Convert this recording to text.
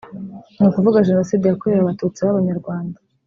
ni ukuvuga genocide yakorewe Abatutsi b’Abanyarwanda